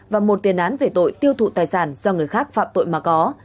và một tiền án về tội tiêu thụ tài sản do người khác phạm tội mà có